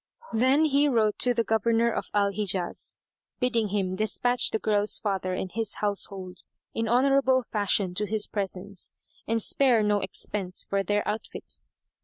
Then he wrote to the Governor of Al Hijaz, bidding him despatch the girl's father and his household in honourable fashion to his presence and spare no expense for their outfit.